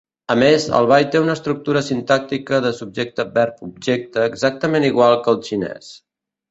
A més, el bai té una estructura sintàctica de subjecte-verb-objecte, exactament igual que el xinès.